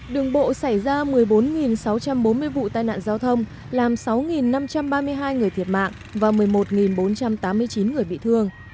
đường bộ xảy ra một mươi bốn sáu trăm bốn mươi vụ tai nạn giao thông làm sáu năm trăm ba mươi hai người thiệt mạng và một mươi một bốn trăm tám mươi chín người bị thương